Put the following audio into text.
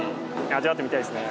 味わってみたいですね。